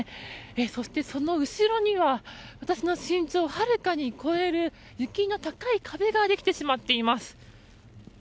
そしてその後ろには私の身長をはるかに越える雪の高い壁ができてしまっています。